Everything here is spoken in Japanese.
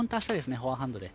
フォアハンドで。